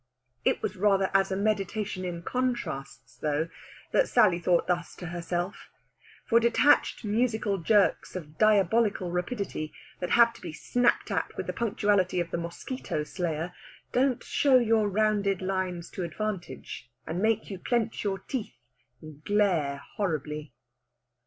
It was rather as a meditation in contrasts, though, that Sally thought thus to herself; for detached musical jerks of diabolical rapidity, that have to be snapped at with the punctuality of the mosquito slayer, don't show your rounded lines to advantage, and make you clench your teeth and glare horribly.